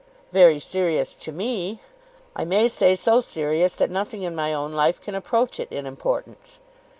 "Very serious to me. I may say so serious that nothing in my own life can approach it in importance."